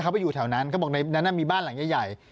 พออยู่แถวนั้นมีบ้านหลังใหญ่